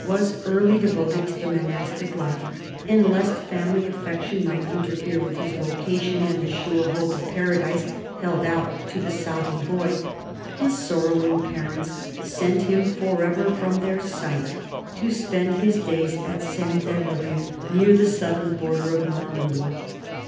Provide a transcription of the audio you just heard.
NORMAN LIFE AND CULTURE 181 devoted to the monastic life, and lest family affection might interfere with his vocation and the sure hope of Paradise held out to the sobbing boy, his sorrowing parents sent him forever from their sight to spend his days at Saint Evroul near the southern border of Nor mandy.